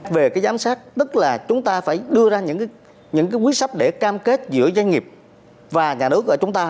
về giám sát tức là chúng ta phải đưa ra những quyết sắp để cam kết giữa doanh nghiệp và nhà nước của chúng ta